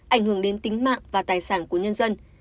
ảnh hưởng đến tính mạng và tài sản của nhân dân